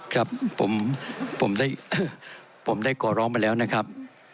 ครับผมได้ขอร้องไปแล้วนะครับ